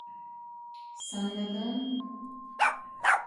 Sen neden…